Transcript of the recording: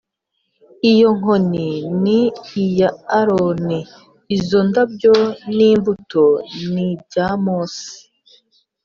Iyo nkoni ni iya Aroni Izo ndabyo n imbuto nibya mose